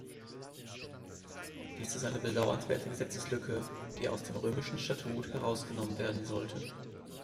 Dies ist eine bedauernswerte Gesetzeslücke, die aus dem Römischen Statut herausgenommen werden sollte.